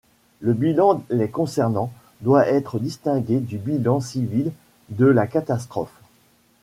Le bilan les concernant doit être distingué du bilan civil de la catastrophe.